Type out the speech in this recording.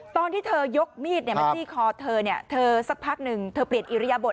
ตอนที่เธอยกมีดมาจี้คอเธอเธอสักพักหนึ่งเธอเปลี่ยนอิริยบท